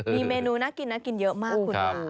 มีเมนูน่ากินน่ากินเยอะมากคุณค่ะ